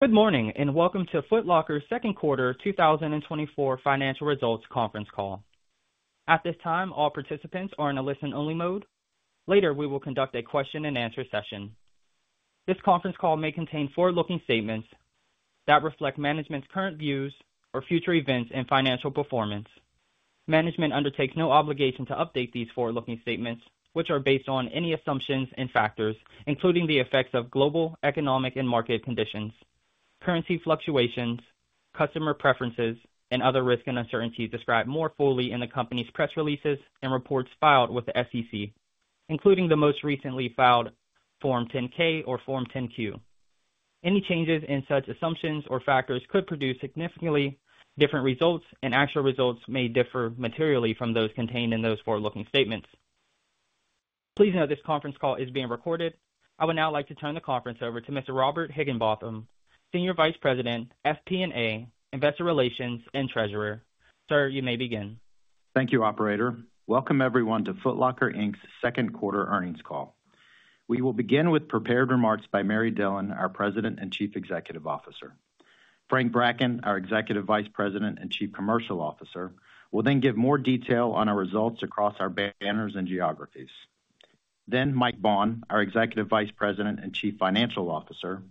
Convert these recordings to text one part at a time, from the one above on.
Good morning, and welcome to Foot Locker's second quarter 2024 financial results conference call. At this time, all participants are in a listen-only mode. Later, we will conduct a question-and-answer session. This conference call may contain forward-looking statements that reflect management's current views or future events and financial performance. Management undertakes no obligation to update these forward-looking statements, which are based on any assumptions and factors, including the effects of global, economic, and market conditions, currency fluctuations, customer preferences, and other risks and uncertainties described more fully in the company's press releases and reports filed with the SEC, including the most recently filed Form 10-K or Form 10-Q. Any changes in such assumptions or factors could produce significantly different results, and actual results may differ materially from those contained in those forward-looking statements. Please note, this conference call is being recorded. I would now like to turn the conference over to Mr. Robert Higginbotham, Senior Vice President, FP&A, investor relations, and Treasurer. Sir, you may begin. Thank you, operator. Welcome everyone to Foot Locker Inc's second quarter earnings call. We will begin with prepared remarks by Mary Dillon, our President and Chief Executive Officer. Frank Bracken, our Executive Vice President and Chief Commercial Officer, will then give more detail on our results across our banners and geographies. Then Mike Baughn, our Executive Vice President and Chief Financial Officer,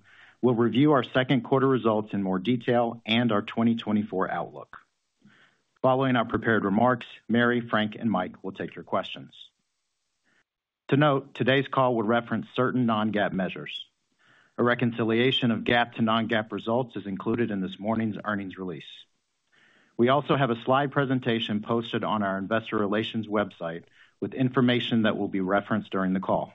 will review our second quarter results in more detail and our 2024 outlook. Following our prepared remarks, Mary, Frank, and Mike will take your questions. To note, today's call will reference certain non-GAAP measures. A reconciliation of GAAP to non-GAAP results is included in this morning's earnings release. We also have a slide presentation posted on our investor relations website with information that will be referenced during the call.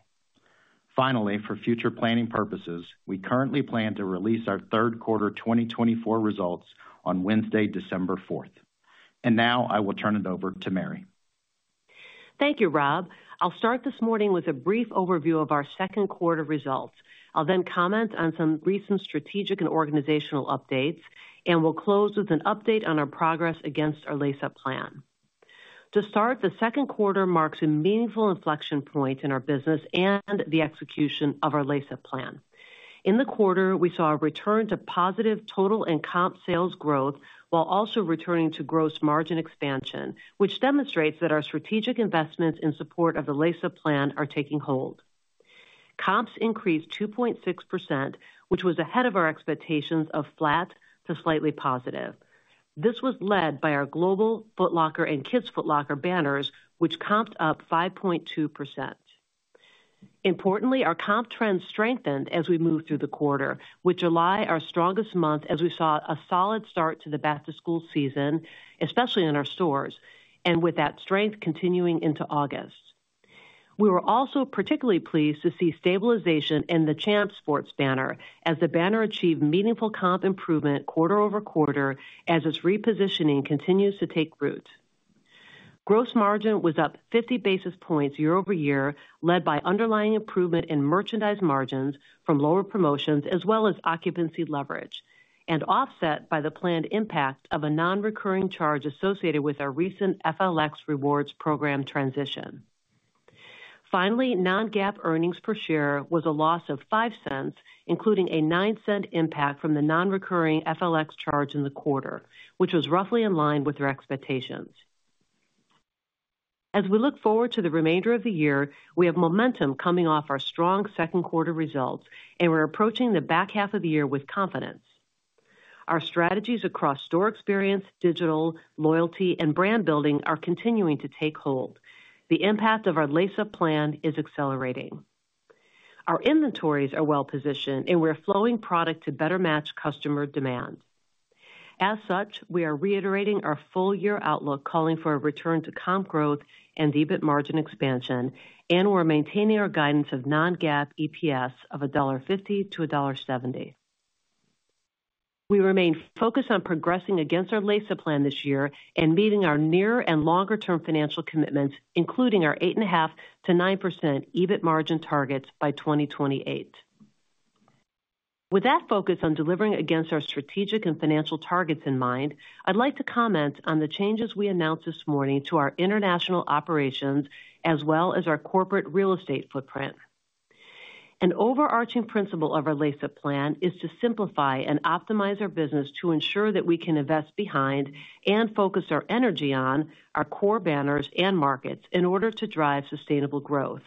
Finally, for future planning purposes, we currently plan to release our third quarter 2024 results on Wednesday, December 4th. And now I will turn it over to Mary. Thank you, Rob. I'll start this morning with a brief overview of our second quarter results. I'll then comment on some recent strategic and organizational updates, and we'll close with an update on our progress against our Lace Up plan. To start, the second quarter marks a meaningful inflection point in our business and the execution of our Lace Up plan. In the quarter, we saw a return to positive total and comp sales growth, while also returning to gross margin expansion, which demonstrates that our strategic investments in support of the Lace Up plan are taking hold. Comps increased 2.6%, which was ahead of our expectations of flat to slightly positive. This was led by our global Foot Locker and Kids Foot Locker banners, which comped up 5.2%. Importantly, our comp trend strengthened as we moved through the quarter, with July our strongest month, as we saw a solid start to the back-to-school season, especially in our stores, and with that strength continuing into August. We were also particularly pleased to see stabilization in the Champs Sports banner as the banner achieved meaningful comp improvement quarter-over-quarter as its repositioning continues to take root. Gross margin was up 50 basis points year-over-year, led by underlying improvement in merchandise margins from lower promotions as well as occupancy leverage, and offset by the planned impact of a non-recurring charge associated with our recent FLX Rewards program transition. Finally, non-GAAP earnings per share was a loss of $0.05, including a $0.09 impact from the non-recurring FLX charge in the quarter, which was roughly in line with your expectations. As we look forward to the remainder of the year, we have momentum coming off our strong second quarter results, and we're approaching the back half of the year with confidence. Our strategies across store experience, digital, loyalty, and brand building are continuing to take hold. The impact of our Lace Up plan is accelerating. Our inventories are well positioned, and we're flowing product to better match customer demand. As such, we are reiterating our full-year outlook, calling for a return to comp growth and EBIT margin expansion, and we're maintaining our guidance of non-GAAP EPS of $1.50-$1.70. We remain focused on progressing against our Lace Up plan this year and meeting our near and longer-term financial commitments, including our 8.5%-9% EBIT margin targets by 2028. With that focus on delivering against our strategic and financial targets in mind, I'd like to comment on the changes we announced this morning to our international operations, as well as our corporate real estate footprint. An overarching principle of our Lace Up plan is to simplify and optimize our business to ensure that we can invest behind and focus our energy on our core banners and markets in order to drive sustainable growth.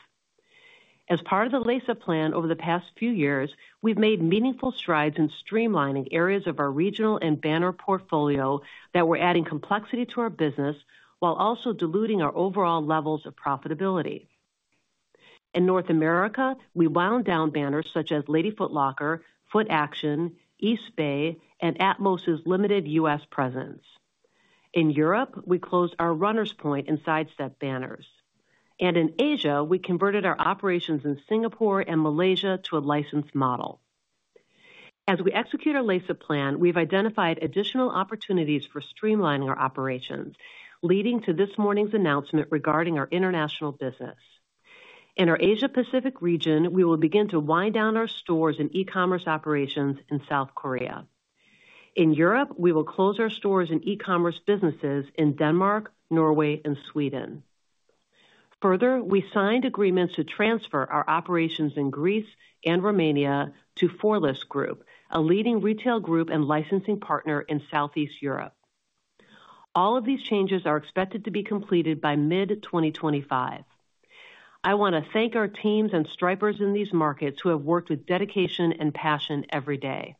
As part of the Lace Up plan over the past few years, we've made meaningful strides in streamlining areas of our regional and banner portfolio that were adding complexity to our business, while also diluting our overall levels of profitability. In North America, we wound down banners such as Lady Foot Locker, Footaction, Eastbay, and Atmos' limited U.S. presence. In Europe, we closed our Runners Point and Sidestep banners. In Asia, we converted our operations in Singapore and Malaysia to a licensed model. As we execute our Lace Up plan, we have identified additional opportunities for streamlining our operations, leading to this morning's announcement regarding our international business. In our Asia Pacific region, we will begin to wind down our stores and e-commerce operations in South Korea. In Europe, we will close our stores and e-commerce businesses in Denmark, Norway, and Sweden. Further, we signed agreements to transfer our operations in Greece and Romania to Fourlis Group, a leading retail group and licensing partner in Southeast Europe. All of these changes are expected to be completed by mid-2025. I want to thank our teams and Stripers in these markets who have worked with dedication and passion every day.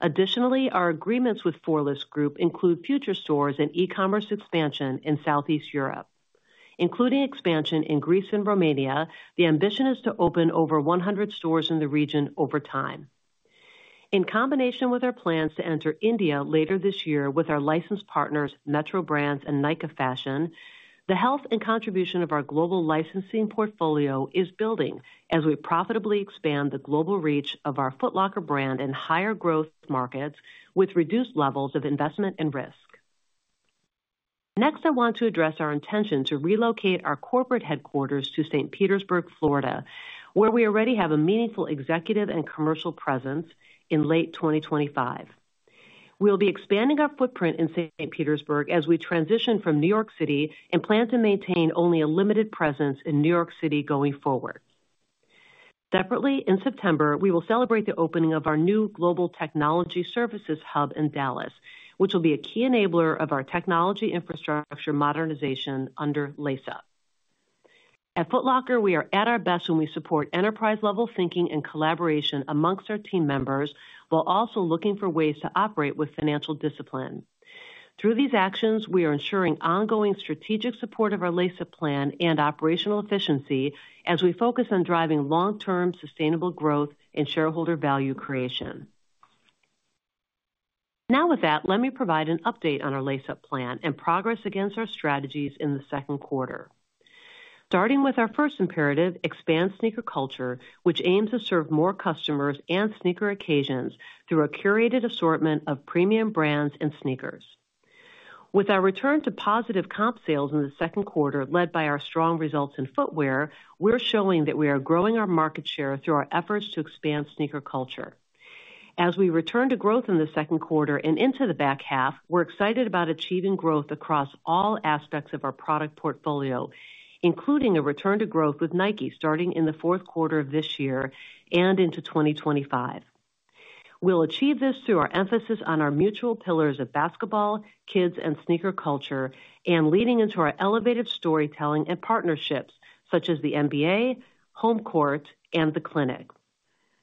Additionally, our agreements with Fourlis Group include future stores and e-commerce expansion in Southeast Europe. Including expansion in Greece and Romania, the ambition is to open over 100 stores in the region over time. In combination with our plans to enter India later this year with our licensed partners, Metro Brands and Nykaa Fashion, the health and contribution of our global licensing portfolio is building as we profitably expand the global reach of our Foot Locker brand in higher growth markets with reduced levels of investment and risk. Next, I want to address our intention to relocate our corporate headquarters to St. Petersburg, Florida, where we already have a meaningful executive and commercial presence in late 2025. We'll be expanding our footprint in St. Petersburg as we transition from New York City and plan to maintain only a limited presence in New York City going forward. Separately, in September, we will celebrate the opening of our new global technology services hub in Dallas, which will be a key enabler of our technology infrastructure modernization under Lace Up. At Foot Locker, we are at our best when we support enterprise-level thinking and collaboration among our team members, while also looking for ways to operate with financial discipline. Through these actions, we are ensuring ongoing strategic support of our Lace Up plan and operational efficiency as we focus on driving long-term sustainable growth and shareholder value creation. Now, with that, let me provide an update on our Lace Up plan and progress against our strategies in the second quarter. Starting with our first imperative, expand sneaker culture, which aims to serve more customers and sneaker occasions through a curated assortment of premium brands and sneakers. With our return to positive comp sales in the second quarter, led by our strong results in footwear, we're showing that we are growing our market share through our efforts to expand sneaker culture. As we return to growth in the second quarter and into the back half, we're excited about achieving growth across all aspects of our product portfolio, including a return to growth with Nike starting in the fourth quarter of this year and into 2025. We'll achieve this through our emphasis on our mutual pillars of basketball, kids, and sneaker culture, and leading into our elevated storytelling and partnerships such as the NBA, Home Court, and The Clinic.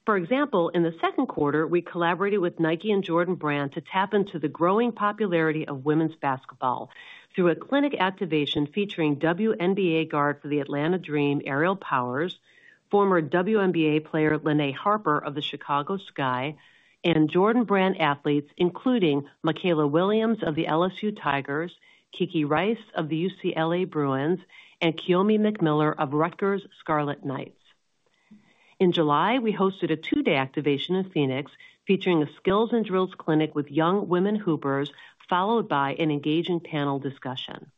For example, in the second quarter, we collaborated with Nike and Jordan Brand to tap into the growing popularity of women's basketball through a clinic activation featuring WNBA guard for the Atlanta Dream, Aerial Powers, former WNBA player, Linnae Harper of the Chicago Sky, and Jordan Brand athletes, including Mikaylah Williams of the LSU Tigers, Kiki Rice of the UCLA Bruins, and Kiyomi McMiller of Rutgers Scarlet Knights. In July, we hosted a two-day activation in Phoenix, featuring a skills and drills clinic with young women hoopers, followed by an engaging panel discussion.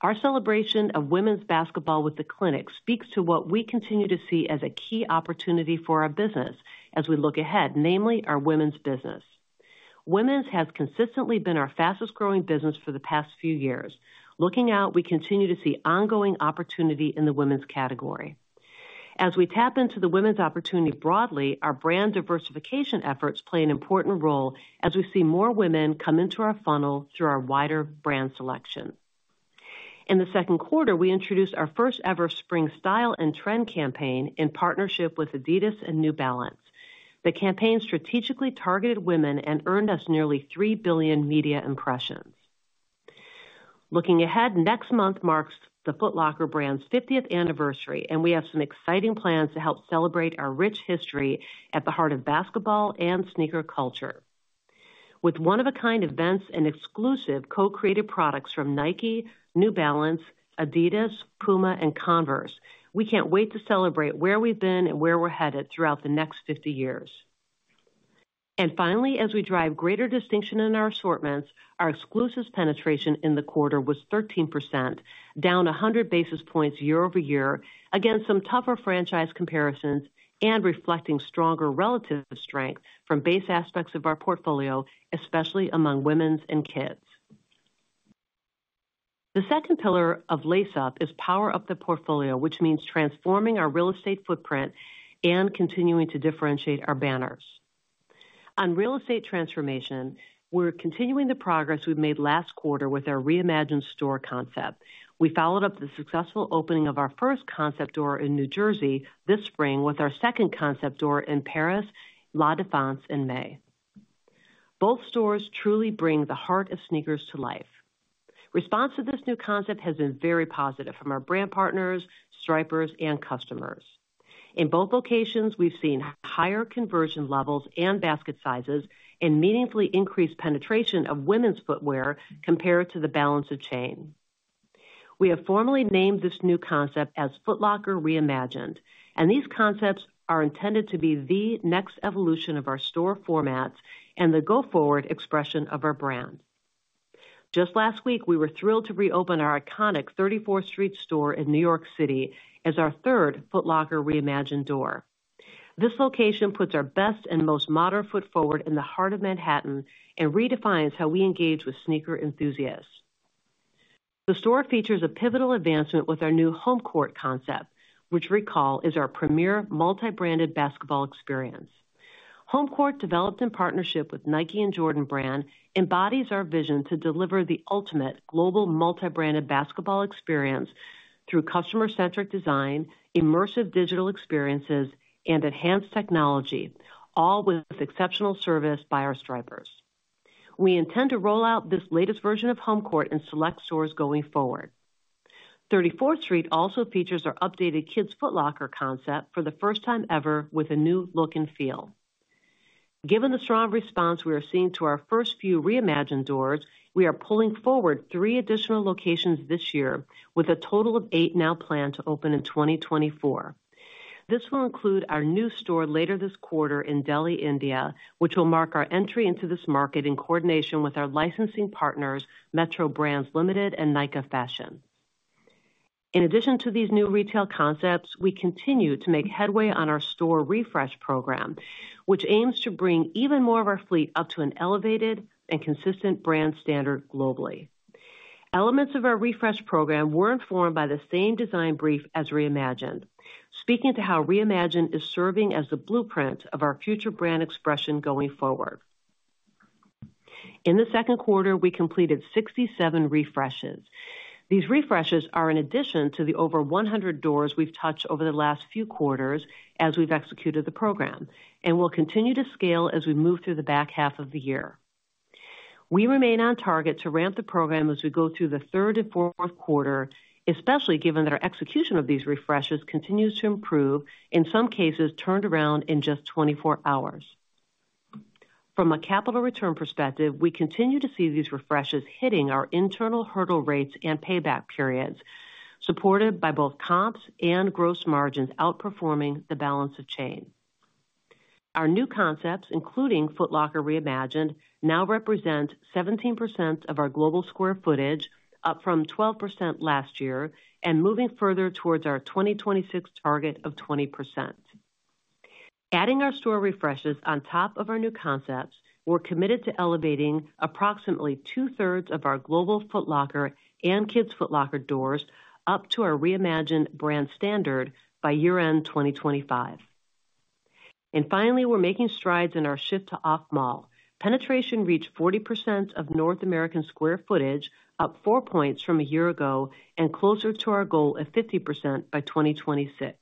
Our celebration of women's basketball with The Clinic speaks to what we continue to see as a key opportunity for our business as we look ahead, namely our women's business. Women's has consistently been our fastest-growing business for the past few years. Looking out, we continue to see ongoing opportunity in the women's category. As we tap into the women's opportunity broadly, our brand diversification efforts play an important role as we see more women come into our funnel through our wider brand selection. In the second quarter, we introduced our first-ever spring style and trend campaign in partnership with Adidas and New Balance. The campaign strategically targeted women and earned us nearly 3 billion media impressions. Looking ahead, next month marks the Foot Locker brand's 50th anniversary, and we have some exciting plans to help celebrate our rich history at the heart of basketball and sneaker culture. With one-of-a-kind events and exclusive co-created products from Nike, New Balance, Adidas, Puma, and Converse, we can't wait to celebrate where we've been and where we're headed throughout the next 50 years. Finally, as we drive greater distinction in our assortments, our exclusive penetration in the quarter was 13%, down 100 basis points year-over-year, against some tougher franchise comparisons and reflecting stronger relative strength from base aspects of our portfolio, especially among women's and kids. The second pillar of Lace Up is power up the portfolio, which means transforming our real estate footprint and continuing to differentiate our banners. On real estate transformation, we're continuing the progress we made last quarter with our reimagined store concept. We followed up the successful opening of our first concept door in New Jersey this spring with our second concept door in Paris, La Défense, in May. Both stores truly bring the heart of sneakers to life. Response to this new concept has been very positive from our brand partners, Stripers, and customers. In both locations, we've seen higher conversion levels and basket sizes and meaningfully increased penetration of women's footwear compared to the balance of chain. We have formally named this new concept as Foot Locker Reimagined, and these concepts are intended to be the next evolution of our store formats and the go-forward expression of our brand. Just last week, we were thrilled to reopen our iconic 34th Street store in New York City as our third Foot Locker Reimagined door. This location puts our best and most modern foot forward in the heart of Manhattan and redefines how we engage with sneaker enthusiasts. The store features a pivotal advancement with our new Home Court concept, which, recall, is our premier multi-branded basketball experience. Home Court, developed in partnership with Nike and Jordan Brand, embodies our vision to deliver the ultimate global multi-branded basketball experience through customer-centric design, immersive digital experiences, and enhanced technology, all with exceptional service by our Stripers. We intend to roll out this latest version of Home Court in select stores going forward. 34th Street also features our updated Kids Foot Locker concept for the first time ever with a new look and feel. Given the strong response we are seeing to our first few reimagined doors, we are pulling forward three additional locations this year, with a total of eight now planned to open in 2024. This will include our new store later this quarter in Delhi, India, which will mark our entry into this market in coordination with our licensing partners, Metro Brands Limited and Nykaa Fashion. In addition to these new retail concepts, we continue to make headway on our store refresh program, which aims to bring even more of our fleet up to an elevated and consistent brand standard globally. Elements of our refresh program were informed by the same design brief as reimagined, speaking to how reimagined is serving as the blueprint of our future brand expression going forward. In the second quarter, we completed 67 refreshes. These refreshes are in addition to the over 100 doors we've touched over the last few quarters as we've executed the program, and we'll continue to scale as we move through the back half of the year. We remain on target to ramp the program as we go through the third and fourth quarter, especially given that our execution of these refreshes continues to improve, in some cases, turned around in just 24 hours. From a capital return perspective, we continue to see these refreshes hitting our internal hurdle rates and payback periods, supported by both comps and gross margins outperforming the balance of chain. Our new concepts, including Foot Locker Reimagined, now represent 17% of our global square footage, up from 12% last year, and moving further towards our 2026 target of 20%. Adding our store refreshes on top of our new concepts, we're committed to elevating approximately two-thirds of our global Foot Locker and Kids Foot Locker doors up to our reimagined brand standard by year-end 2025. Finally, we're making strides in our shift to off-mall. Penetration reached 40% of North American square footage, up 4 points from a year ago, and closer to our goal of 50% by 2026.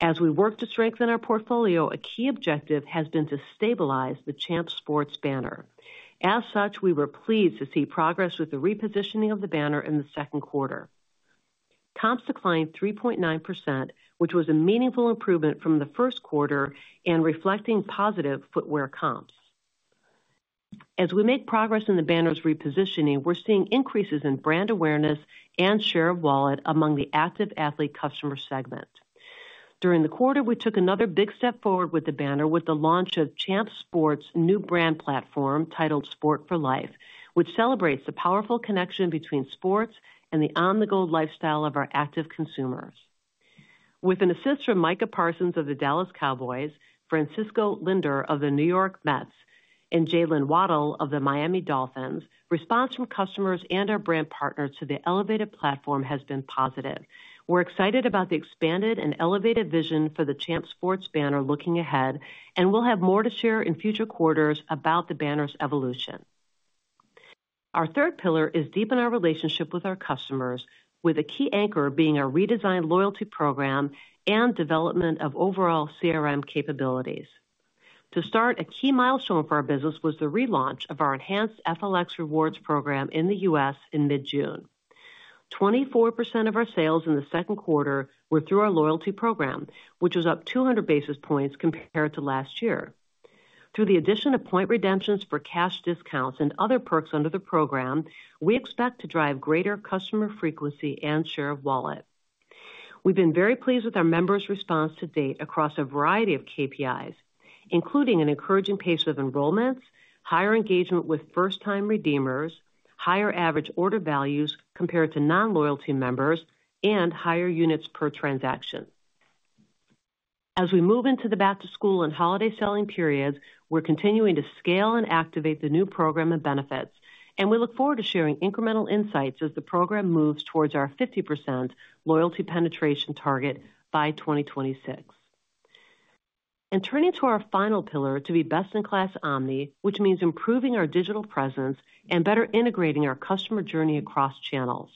As we work to strengthen our portfolio, a key objective has been to stabilize the Champs Sports banner. As such, we were pleased to see progress with the repositioning of the banner in the second quarter. Comps declined 3.9%, which was a meaningful improvement from the first quarter and reflecting positive footwear comps. As we make progress in the banner's repositioning, we're seeing increases in brand awareness and share of wallet among the active athlete customer segment. During the quarter, we took another big step forward with the banner, with the launch of Champs Sports' new brand platform titled Sport for Life, which celebrates the powerful connection between sports and the on-the-go lifestyle of our active consumers. With an assist from Micah Parsons of the Dallas Cowboys, Francisco Lindor of the New York Mets, and Jaylen Waddle of the Miami Dolphins, response from customers and our brand partners to the elevated platform has been positive. We're excited about the expanded and elevated vision for the Champs Sports banner looking ahead, and we'll have more to share in future quarters about the banner's evolution. Our third pillar is deepen our relationship with our customers, with a key anchor being a redesigned loyalty program and development of overall CRM capabilities. To start, a key milestone for our business was the relaunch of our enhanced FLX Rewards program in the U.S. in mid-June. 24% of our sales in the second quarter were through our loyalty program, which was up 200 basis points compared to last year. Through the addition of point redemptions for cash discounts and other perks under the program, we expect to drive greater customer frequency and share of wallet. We've been very pleased with our members' response to date across a variety of KPIs, including an encouraging pace of enrollments, higher engagement with first-time redeemers, higher average order values compared to non-loyalty members, and higher units per transaction. As we move into the back-to-school and holiday selling periods, we're continuing to scale and activate the new program and benefits, and we look forward to sharing incremental insights as the program moves towards our 50% loyalty penetration target by 2026, and turning to our final pillar to be best-in-class omni, which means improving our digital presence and better integrating our customer journey across channels.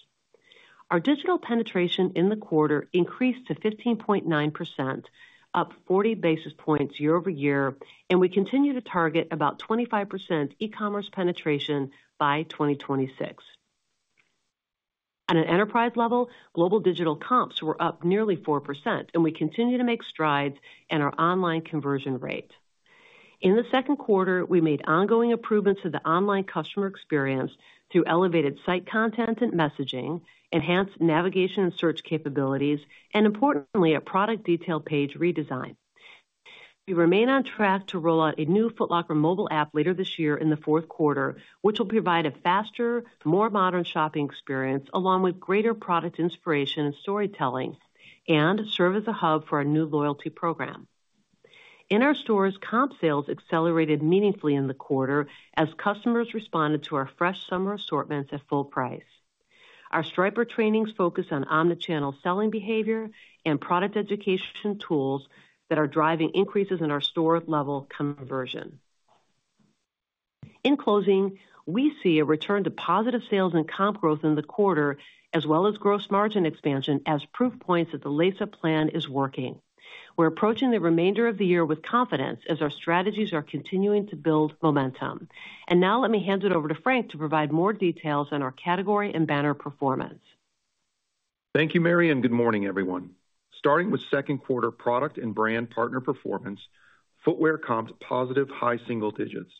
Our digital penetration in the quarter increased to 15.9%, up 40 basis points year-over-year, and we continue to target about 25% e-commerce penetration by 2026. At an enterprise level, global digital comps were up nearly 4%, and we continue to make strides in our online conversion rate. In the second quarter, we made ongoing improvements to the online customer experience through elevated site content and messaging, enhanced navigation and search capabilities, and importantly, a product detail page redesign. We remain on track to roll out a new Foot Locker mobile app later this year in the fourth quarter, which will provide a faster, more modern shopping experience, along with greater product inspiration and storytelling, and serve as a hub for our new loyalty program. In our stores, comp sales accelerated meaningfully in the quarter as customers responded to our fresh summer assortments at full price. Our Striper trainings focus on omnichannel selling behavior and product education tools that are driving increases in our store-level conversion. In closing, we see a return to positive sales and comp growth in the quarter, as well as gross margin expansion as proof points that the Lace Up plan is working. We're approaching the remainder of the year with confidence as our strategies are continuing to build momentum. And now let me hand it over to Frank to provide more details on our category and banner performance. Thank you, Mary, and good morning, everyone. Starting with second quarter product and brand partner performance, footwear comps positive high single digits.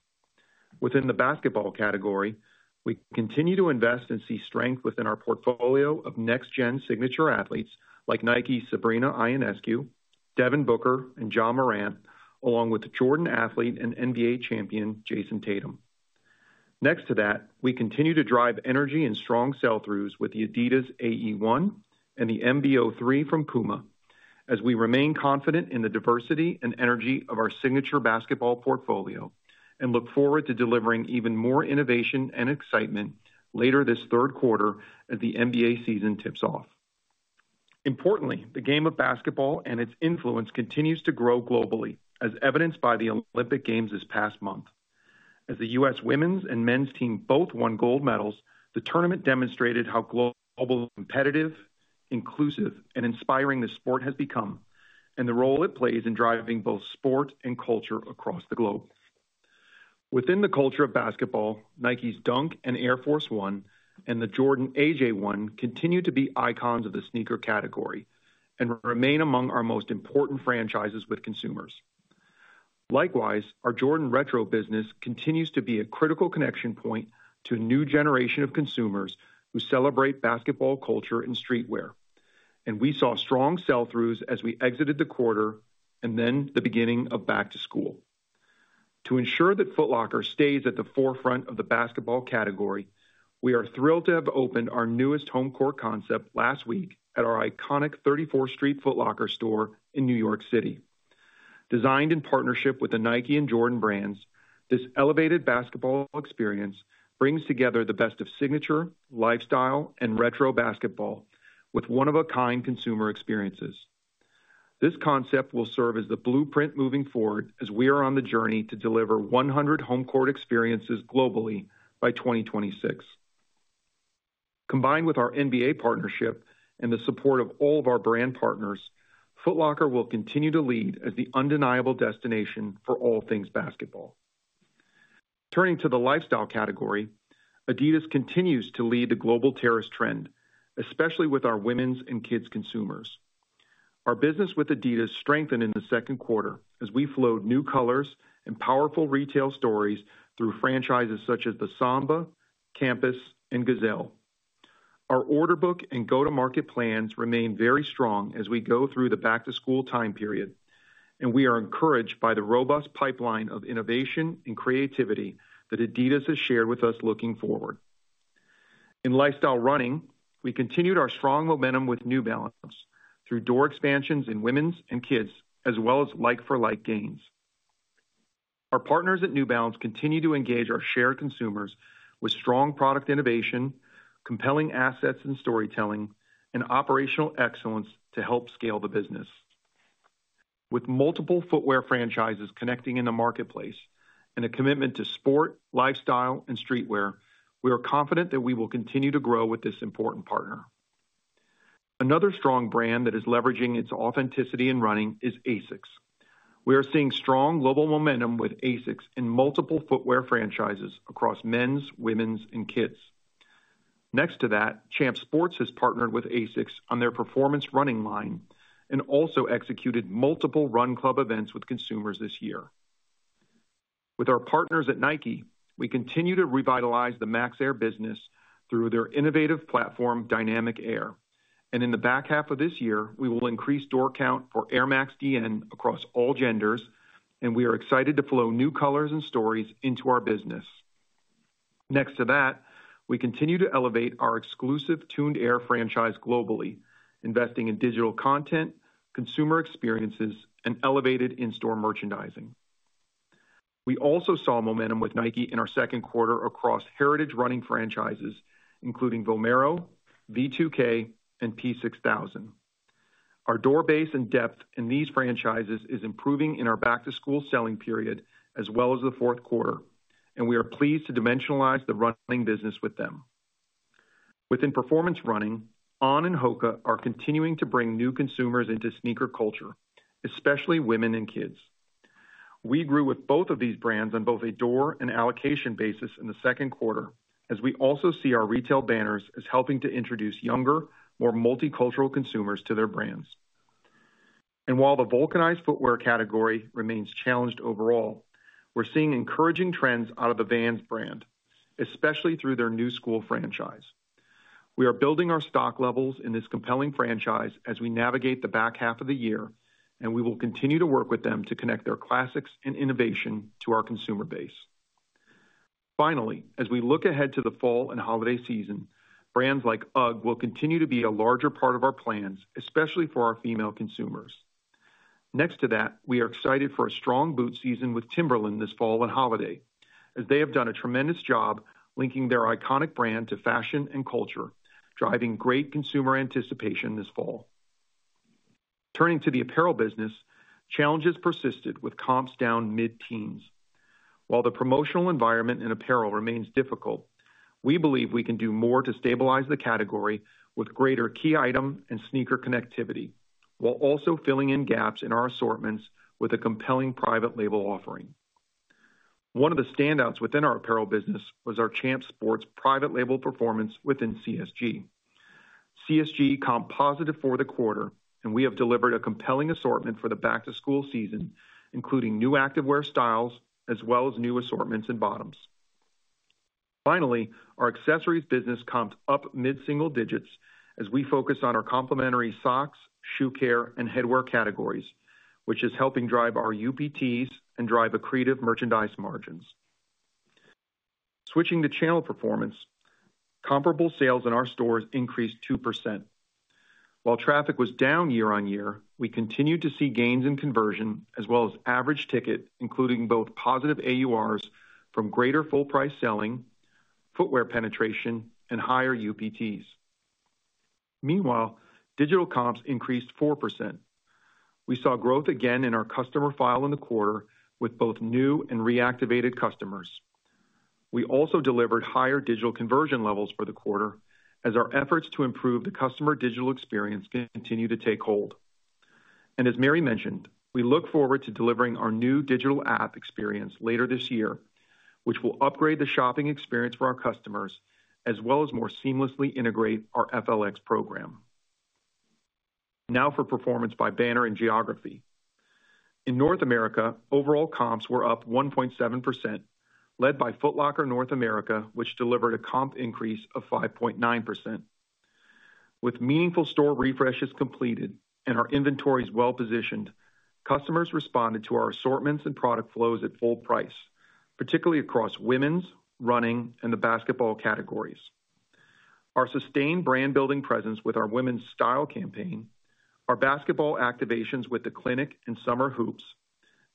Within the basketball category, we continue to invest and see strength within our portfolio of next-gen signature athletes like Nike's Sabrina Ionescu, Devin Booker, and Ja Morant, along with Jordan athlete and NBA champion, Jayson Tatum. Next to that, we continue to drive energy and strong sell-throughs with the Adidas AE1 and the MB.03 from Puma, as we remain confident in the diversity and energy of our signature basketball portfolio, and look forward to delivering even more innovation and excitement later this third quarter as the NBA season tips off. Importantly, the game of basketball and its influence continues to grow globally, as evidenced by the Olympic Games this past month. As the U.S. women's and men's team both won gold medals, the tournament demonstrated how global, competitive, inclusive, and inspiring the sport has become, and the role it plays in driving both sport and culture across the globe. Within the culture of basketball, Nike's Dunk and Air Force 1 and the Jordan AJ1 continue to be icons of the sneaker category and remain among our most important franchises with consumers. Likewise, our Jordan Retro business continues to be a critical connection point to a new generation of consumers who celebrate basketball culture and streetwear, and we saw strong sell-throughs as we exited the quarter and then the beginning of back to school. To ensure that Foot Locker stays at the forefront of the basketball category, we are thrilled to have opened our newest Home Court concept last week at our iconic 34th Street Foot Locker store in New York City. Designed in partnership with the Nike and Jordan brands, this elevated basketball experience brings together the best of signature, lifestyle, and retro basketball with one-of-a-kind consumer experiences. This concept will serve as the blueprint moving forward as we are on the journey to deliver 100 Home Court experiences globally by 2026. Combined with our NBA partnership and the support of all of our brand partners, Foot Locker will continue to lead as the undeniable destination for all things basketball. Turning to the lifestyle category, Adidas continues to lead the global terrace trend, especially with our women's and kids' consumers. Our business with Adidas strengthened in the second quarter as we flowed new colors and powerful retail stories through franchises such as the Samba, Campus, and Gazelle. Our order book and go-to-market plans remain very strong as we go through the back-to-school time period, and we are encouraged by the robust pipeline of innovation and creativity that Adidas has shared with us looking forward. In lifestyle running, we continued our strong momentum with New Balance through door expansions in women's and kids, as well as like-for-like gains. Our partners at New Balance continue to engage our shared consumers with strong product innovation, compelling assets and storytelling, and operational excellence to help scale the business. With multiple footwear franchises connecting in the marketplace and a commitment to sport, lifestyle, and streetwear, we are confident that we will continue to grow with this important partner. Another strong brand that is leveraging its authenticity in running is ASICS. We are seeing strong global momentum with ASICS in multiple footwear franchises across men's, women's, and kids. Next to that, Champs Sports has partnered with ASICS on their performance running line and also executed multiple run club events with consumers this year. With our partners at Nike, we continue to revitalize the Air Max business through their innovative platform, Dynamic Air, and in the back half of this year, we will increase door count for Air Max Dn across all genders, and we are excited to flow new colors and stories into our business. Next to that, we continue to elevate our exclusive Tuned Air franchise globally, investing in digital content, consumer experiences, and elevated in-store merchandising. We also saw momentum with Nike in our second quarter across heritage running franchises, including Vomero, V2K, and P-6000. Our door base and depth in these franchises is improving in our back-to-school selling period as well as the fourth quarter, and we are pleased to dimensionalize the running business with them. Within performance running, On and HOKA are continuing to bring new consumers into sneaker culture, especially women and kids. We grew with both of these brands on both a door and allocation basis in the second quarter, as we also see our retail banners as helping to introduce younger, more multicultural consumers to their brands. And while the vulcanized footwear category remains challenged overall, we're seeing encouraging trends out of the Vans brand, especially through their Knu Skool franchise. We are building our stock levels in this compelling franchise as we navigate the back half of the year, and we will continue to work with them to connect their classics and innovation to our consumer base. Finally, as we look ahead to the fall and holiday season, brands like UGG will continue to be a larger part of our plans, especially for our female consumers. Next to that, we are excited for a strong boot season with Timberland this fall and holiday, as they have done a tremendous job linking their iconic brand to fashion and culture, driving great consumer anticipation this fall. Turning to the apparel business, challenges persisted with comps down mid-teens. While the promotional environment in apparel remains difficult, we believe we can do more to stabilize the category with greater key item and sneaker connectivity, while also filling in gaps in our assortments with a compelling private label offering. One of the standouts within our apparel business was our Champs Sports private label performance within CSG. CSG comped positive for the quarter, and we have delivered a compelling assortment for the back-to-school season, including new activewear styles as well as new assortments and bottoms. Finally, our accessories business comps up mid-single digits as we focus on our complimentary socks, shoe care, and headwear categories, which is helping drive our UPTs and drive accretive merchandise margins. Switching to channel performance, comparable sales in our stores increased 2%. While traffic was down year-on-year, we continued to see gains in conversion as well as average ticket, including both positive AURs from greater full price selling, footwear penetration, and higher UPTs. Meanwhile, digital comps increased 4%. We saw growth again in our customer file in the quarter with both new and reactivated customers. We also delivered higher digital conversion levels for the quarter as our efforts to improve the customer digital experience continue to take hold. And as Mary mentioned, we look forward to delivering our new digital app experience later this year, which will upgrade the shopping experience for our customers, as well as more seamlessly integrate our FLX program. Now for performance by banner and geography. In North America, overall comps were up 1.7%, led by Foot Locker North America, which delivered a comp increase of 5.9%. With meaningful store refreshes completed and our inventories well-positioned, customers responded to our assortments and product flows at full price, particularly across women's, running, and the basketball categories. Our sustained brand-building presence with our women's style campaign, our basketball activations with The Clinic and Summer Hoops,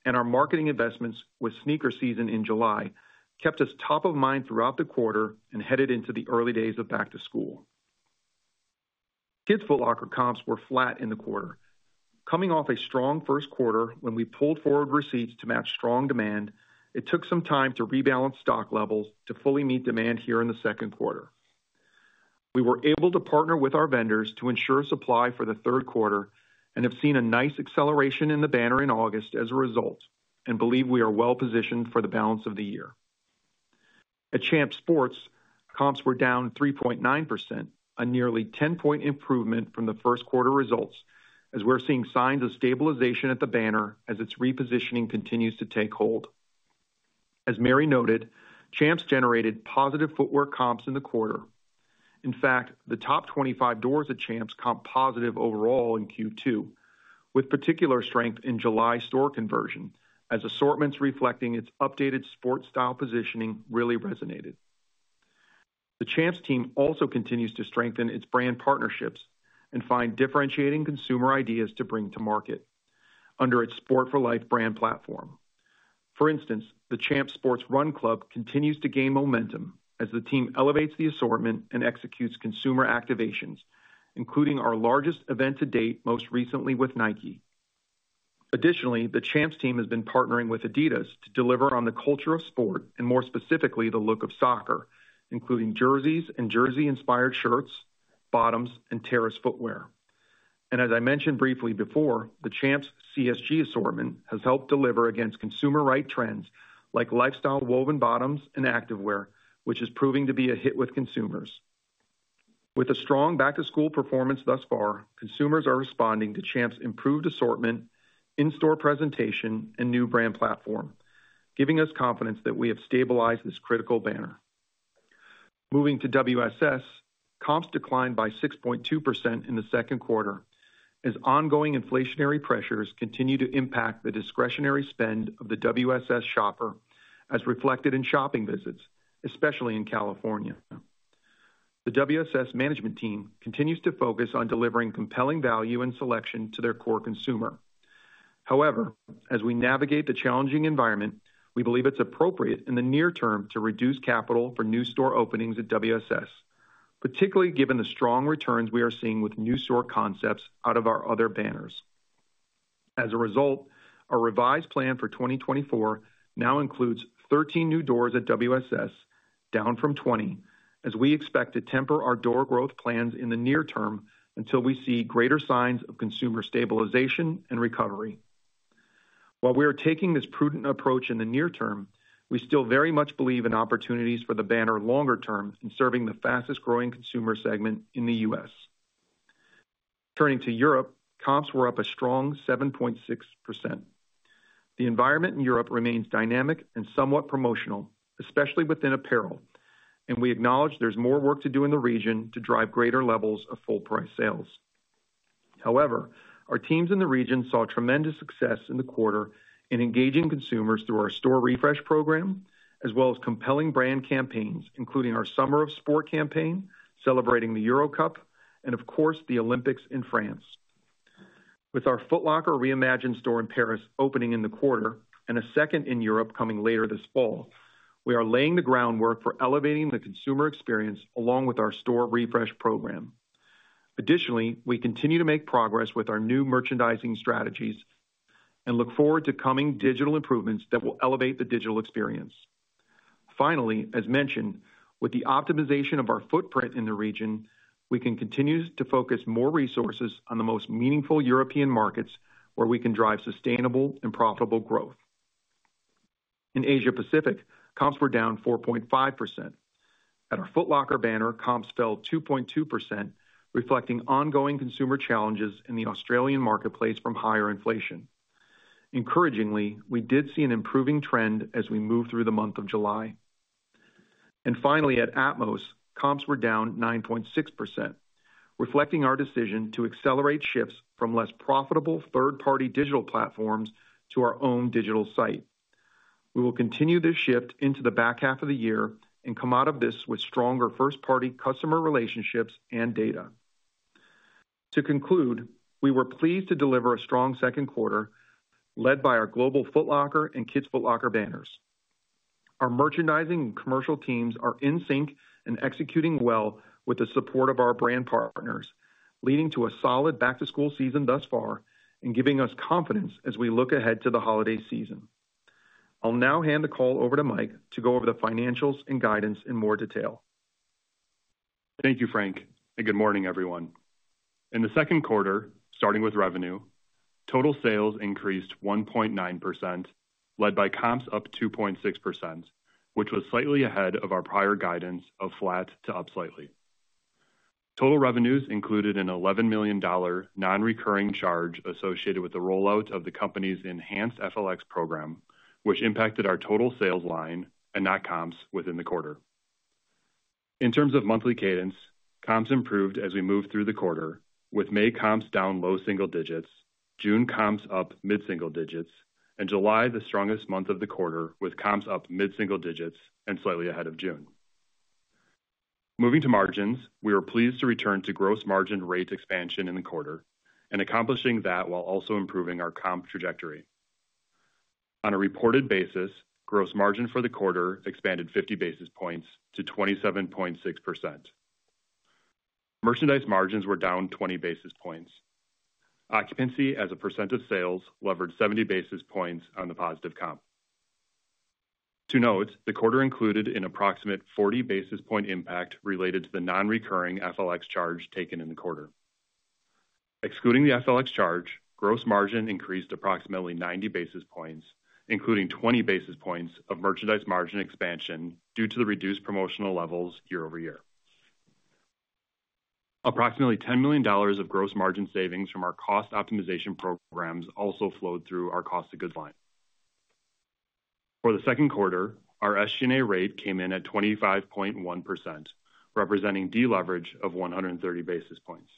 and our marketing investments with Sneaker Season in July, kept us top of mind throughout the quarter and headed into the early days of back-to-school. Kids' Foot Locker comps were flat in the quarter. Coming off a strong first quarter, when we pulled forward receipts to match strong demand, it took some time to rebalance stock levels to fully meet demand here in the second quarter. We were able to partner with our vendors to ensure supply for the third quarter and have seen a nice acceleration in the banner in August as a result, and believe we are well positioned for the balance of the year. At Champs Sports, comps were down 3.9%, a nearly 10-point improvement from the first quarter results, as we're seeing signs of stabilization at the banner as its repositioning continues to take hold. As Mary noted, Champs generated positive footwear comps in the quarter. In fact, the top 25 doors at Champs comp positive overall in Q2, with particular strength in July store conversion, as assortments reflecting its updated sports style positioning really resonated. The Champs Sports team also continues to strengthen its brand partnerships and find differentiating consumer ideas to bring to market under its Sport for Life brand platform. For instance, the Champs Sports Run Club continues to gain momentum as the team elevates the assortment and executes consumer activations, including our largest event to date, most recently with Nike. Additionally, the Champs Sports team has been partnering with Adidas to deliver on the culture of sport, and more specifically, the look of soccer, including jerseys and jersey-inspired shirts, bottoms, and terrace footwear. And as I mentioned briefly before, the Champs Sports CSG assortment has helped deliver against consumer athleisure trends like lifestyle woven bottoms and activewear, which is proving to be a hit with consumers. With a strong back-to-school performance thus far, consumers are responding to Champs' improved assortment, in-store presentation, and new brand platform, giving us confidence that we have stabilized this critical banner. Moving to WSS, comps declined by 6.2% in the second quarter, as ongoing inflationary pressures continue to impact the discretionary spend of the WSS shopper, as reflected in shopping visits, especially in California. The WSS management team continues to focus on delivering compelling value and selection to their core consumer. However, as we navigate the challenging environment, we believe it's appropriate in the near term to reduce capital for new store openings at WSS, particularly given the strong returns we are seeing with new store concepts out of our other banners. As a result, our revised plan for 2024 now includes 13 new doors at WSS, down from 20, as we expect to temper our door growth plans in the near term until we see greater signs of consumer stabilization and recovery. While we are taking this prudent approach in the near term, we still very much believe in opportunities for the banner longer term in serving the fastest-growing consumer segment in the U.S. Turning to Europe, comps were up a strong 7.6%. The environment in Europe remains dynamic and somewhat promotional, especially within apparel, and we acknowledge there's more work to do in the region to drive greater levels of full price sales. However, our teams in the region saw tremendous success in the quarter in engaging consumers through our store refresh program, as well as compelling brand campaigns, including our Summer of Sport campaign, celebrating the Euro Cup, and of course, the Olympics in France. With our Foot Locker Reimagined store in Paris opening in the quarter and a second in Europe coming later this fall, we are laying the groundwork for elevating the consumer experience along with our store refresh program. Additionally, we continue to make progress with our new merchandising strategies and look forward to coming digital improvements that will elevate the digital experience. Finally, as mentioned, with the optimization of our footprint in the region, we can continue to focus more resources on the most meaningful European markets, where we can drive sustainable and profitable growth. In Asia Pacific, comps were down 4.5%. At our Foot Locker banner, comps fell 2.2%, reflecting ongoing consumer challenges in the Australian marketplace from higher inflation. Encouragingly, we did see an improving trend as we moved through the month of July. Finally, at Atmos, comps were down 9.6%, reflecting our decision to accelerate shifts from less profitable third-party digital platforms to our own digital site. We will continue this shift into the back half of the year and come out of this with stronger first-party customer relationships and data. To conclude, we were pleased to deliver a strong second quarter, led by our global Foot Locker and Kids Foot Locker banners. Our merchandising and commercial teams are in sync and executing well with the support of our brand partners, leading to a solid back-to-school season thus far and giving us confidence as we look ahead to the holiday season. I'll now hand the call over to Mike to go over the financials and guidance in more detail. Thank you, Frank, and good morning, everyone. In the second quarter, starting with revenue, total sales increased 1.9%, led by comps up 2.6%, which was slightly ahead of our prior guidance of flat to up slightly. Total revenues included an $11 million non-recurring charge associated with the rollout of the company's enhanced FLX program, which impacted our total sales line and not comps within the quarter. In terms of monthly cadence, comps improved as we moved through the quarter, with May comps down low single-digits, June comps up mid single-digits, and July, the strongest month of the quarter, with comps up mid single-digits and slightly ahead of June. Moving to margins, we were pleased to return to gross margin rate expansion in the quarter and accomplishing that while also improving our comp trajectory. On a reported basis, gross margin for the quarter expanded 50 basis points to 27.6%. Merchandise margins were down 20 basis points. Occupancy, as a percent of sales, levered 70 basis points on the positive comp. To note, the quarter included an approximate 40 basis point impact related to the non-recurring FLX charge taken in the quarter. Excluding the FLX charge, gross margin increased approximately 90 basis points, including 20 basis points of merchandise margin expansion due to the reduced promotional levels year-over-year. Approximately $10 million of gross margin savings from our cost optimization programs also flowed through our cost of goods line. For the second quarter, our SG&A rate came in at 25.1%, representing deleverage of 130 basis points.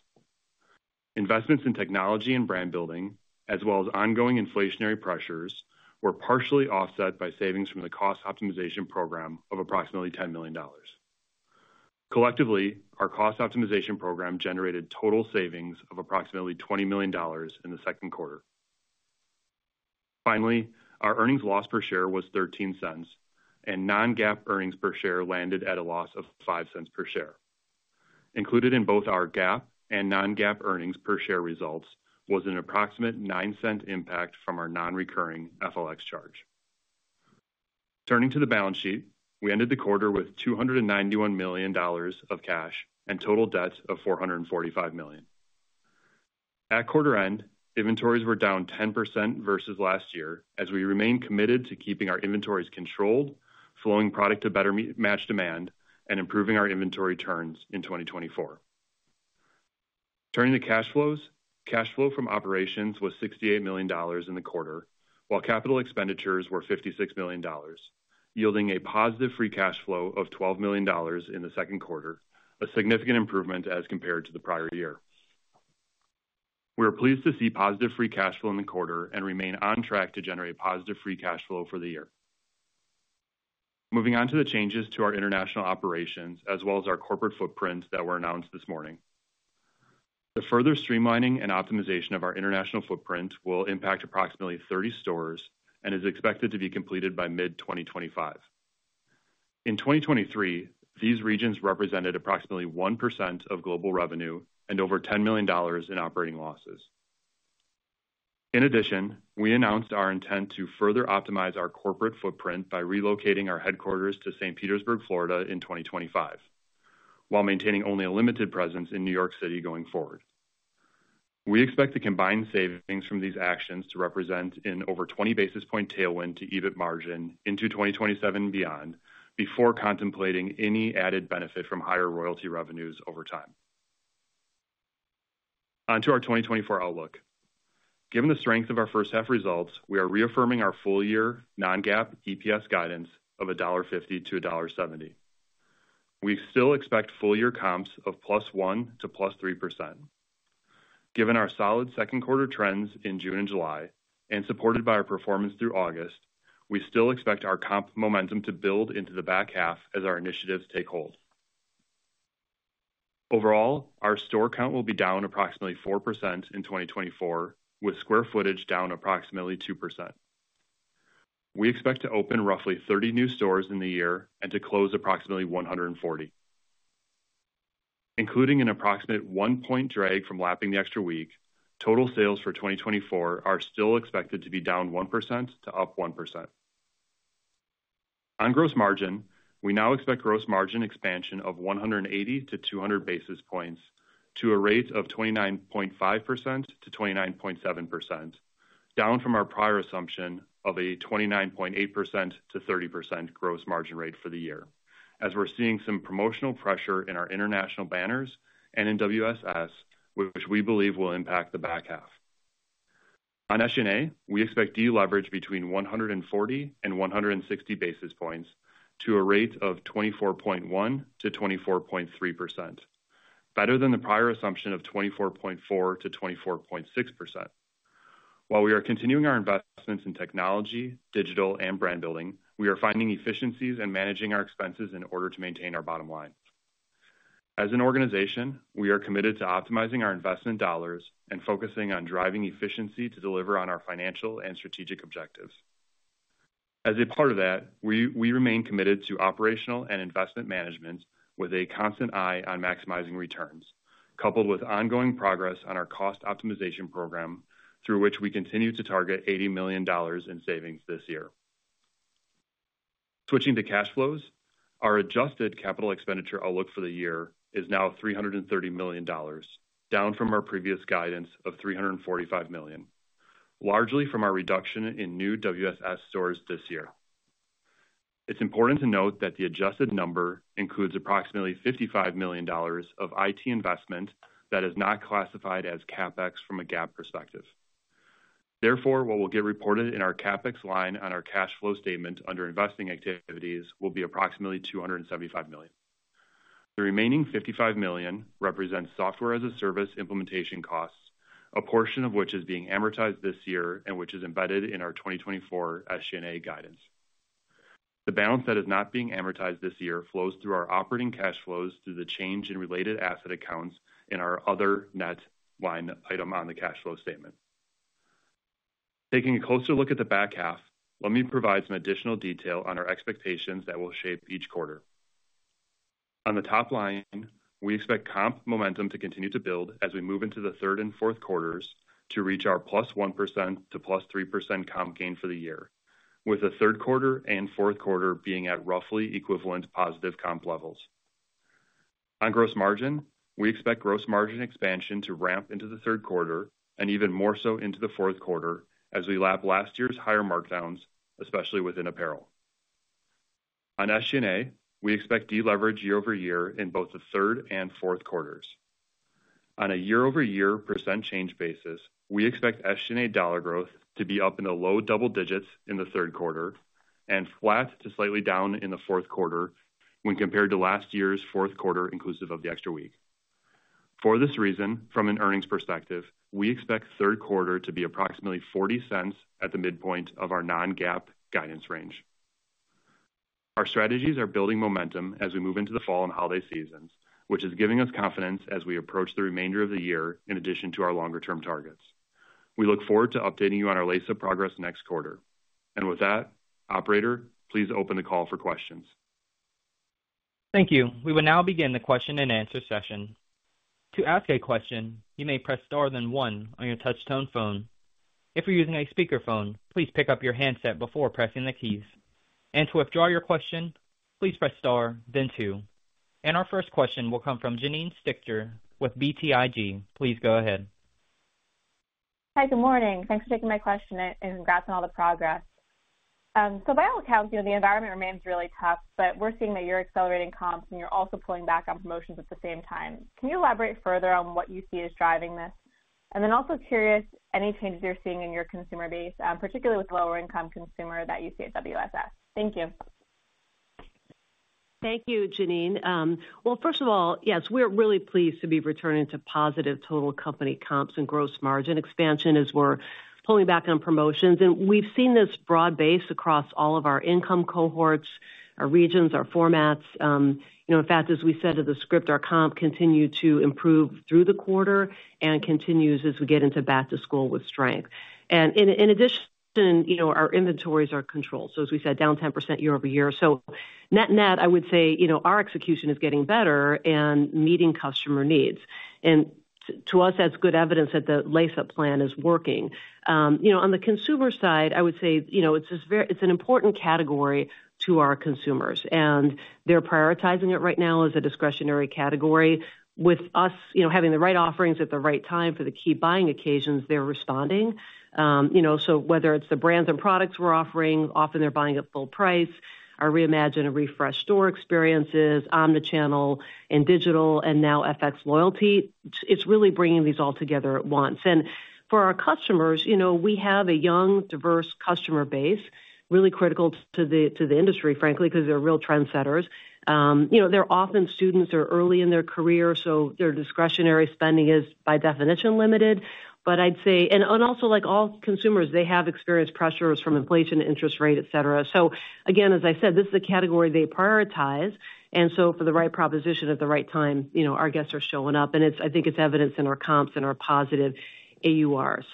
Investments in technology and brand building, as well as ongoing inflationary pressures, were partially offset by savings from the cost optimization program of approximately $10 million. Collectively, our cost optimization program generated total savings of approximately $20 million in the second quarter. Finally, our earnings loss per share was $0.13, and non-GAAP earnings per share landed at a loss of $0.05 per share. Included in both our GAAP and non-GAAP earnings per share results was an approximate $0.09 impact from our non-recurring FLX charge. Turning to the balance sheet, we ended the quarter with $291 million of cash and total debt of $445 million. At quarter end, inventories were down 10% versus last year, as we remain committed to keeping our inventories controlled, flowing product to better match demand, and improving our inventory turns in 2024. Turning to cash flows. Cash flow from operations was $68 million in the quarter, while capital expenditures were $56 million, yielding a positive free cash flow of $12 million in the second quarter, a significant improvement as compared to the prior year. We are pleased to see positive free cash flow in the quarter and remain on track to generate positive free cash flow for the year. Moving on to the changes to our international operations, as well as our corporate footprints that were announced this morning. The further streamlining and optimization of our international footprint will impact approximately 30 stores and is expected to be completed by mid-2025. In 2023, these regions represented approximately 1% of global revenue and over $10 million in operating losses. In addition, we announced our intent to further optimize our corporate footprint by relocating our headquarters to St. Petersburg, Florida, in 2025, while maintaining only a limited presence in New York City going forward. We expect the combined savings from these actions to represent an over 20 basis points tailwind to EBIT margin into 2027 and beyond, before contemplating any added benefit from higher royalty revenues over time. On to our 2024 outlook. Given the strength of our first half results, we are reaffirming our full year non-GAAP EPS guidance of $1.50 to $1.70. We still expect full year comps of +1% to +3%. Given our solid second quarter trends in June and July, and supported by our performance through August, we still expect our comp momentum to build into the back half as our initiatives take hold. Overall, our store count will be down approximately 4% in 2024, with square footage down approximately 2%. We expect to open roughly 30 new stores in the year and to close approximately 140. Including an approximate 1-point drag from lapping the extra week, total sales for 2024 are still expected to be down 1% to up 1%. On gross margin, we now expect gross margin expansion of 180-200 basis points to a rate of 29.5%-29.7%, down from our prior assumption of a 29.8%-30% gross margin rate for the year. As we're seeing some promotional pressure in our international banners and in WSS, which we believe will impact the back half. On SG&A, we expect deleverage between 140 and 160 basis points to a rate of 24.1%-24.3%, better than the prior assumption of 24.4%-24.6%. While we are continuing our investments in technology, digital, and brand building, we are finding efficiencies and managing our expenses in order to maintain our bottom line. As an organization, we are committed to optimizing our investment dollars and focusing on driving efficiency to deliver on our financial and strategic objectives. As a part of that, we remain committed to operational and investment management with a constant eye on maximizing returns, coupled with ongoing progress on our cost optimization program, through which we continue to target $80 million in savings this year. Switching to cash flows, our adjusted capital expenditure outlook for the year is now $330 million, down from our previous guidance of $345 million, largely from our reduction in new WSS stores this year. It's important to note that the adjusted number includes approximately $55 million of IT investment that is not classified as CapEx from a GAAP perspective. Therefore, what will get reported in our CapEx line on our cash flow statement under investing activities will be approximately $275 million. The remaining $55 million represents software as a service implementation costs, a portion of which is being amortized this year and which is embedded in our 2024 SG&A guidance. The balance that is not being amortized this year flows through our operating cash flows through the change in related asset accounts in our other net line item on the cash flow statement. Taking a closer look at the back half, let me provide some additional detail on our expectations that will shape each quarter. On the top line, we expect comp momentum to continue to build as we move into the third and fourth quarters to reach our +1% to +3% comp gain for the year, with the third quarter and fourth quarter being at roughly equivalent positive comp levels. On gross margin, we expect gross margin expansion to ramp into the third quarter and even more so into the fourth quarter as we lap last year's higher markdowns, especially within apparel. On SG&A, we expect deleverage year-over-year in both the third and fourth quarters. On a year-over-year percent change basis, we expect SG&A dollar growth to be up in the low double digits in the third quarter and flat to slightly down in the fourth quarter when compared to last year's fourth quarter, inclusive of the extra week. For this reason, from an earnings perspective, we expect third quarter to be approximately $0.40 at the midpoint of our non-GAAP guidance range. Our strategies are building momentum as we move into the fall and holiday seasons, which is giving us confidence as we approach the remainder of the year in addition to our longer-term targets. We look forward to updating you on our lace-up progress next quarter, and with that, operator, please open the call for questions. Thank you. We will now begin the question-and-answer session. To ask a question, you may press star, then one on your touch tone phone. If you're using a speakerphone, please pick up your handset before pressing the keys. And to withdraw your question, please press star, then two. And our first question will come from Janine Stichter with BTIG. Please go ahead. Hi, good morning. Thanks for taking my question, and congrats on all the progress. So by all accounts, you know, the environment remains really tough, but we're seeing that you're accelerating comps and you're also pulling back on promotions at the same time. Can you elaborate further on what you see as driving this? And then also curious, any changes you're seeing in your consumer base, particularly with lower income consumer that you see at WSS. Thank you. Thank you, Janine. Well, first of all, yes, we're really pleased to be returning to positive total company comps and gross margin expansion as we're pulling back on promotions. And we've seen this broad base across all of our income cohorts, our regions, our formats. You know, in fact, as we said in the script, our comp continued to improve through the quarter and continues as we get into back-to-school with strength. And in addition, you know, our inventories are controlled, so as we said, down 10% year-over-year. So net-net, I would say, you know, our execution is getting better and meeting customer needs. And to us, that's good evidence that the Lace Up plan is working. You know, on the consumer side, I would say, you know, it's just an important category to our consumers, and they're prioritizing it right now as a discretionary category. With us, you know, having the right offerings at the right time for the key buying occasions, they're responding. You know, so whether it's the brands and products we're offering, often they're buying at full price, our reimagined and refreshed store experiences, omnichannel and digital, and now FLX loyalty, it's really bringing these all together at once. And for our customers, you know, we have a young, diverse customer base... really critical to the industry, frankly, because they're real trendsetters. You know, they're often students or early in their career, so their discretionary spending is, by definition, limited. But I'd say and also, like all consumers, they have experienced pressures from inflation, interest rate, et cetera. So again, as I said, this is a category they prioritize, and so for the right proposition at the right time, you know, our guests are showing up, and it's, I think, evidenced in our comps and our positive AURs.